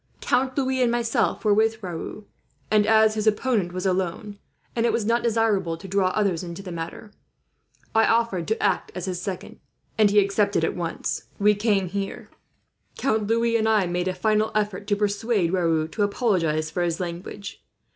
Count Louis and myself were with Raoul, and as his opponent was alone, and it was not desirable to draw others into the matter, I offered to act as his second; and he accepted it, at once. We came here. Count Louis and I made a final effort to persuade Raoul to apologize for his language.